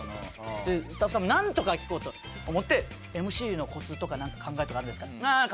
でスタッフさんもなんとか聞こうと思って「ＭＣのコツとかなんか考えとかあるんですか？」。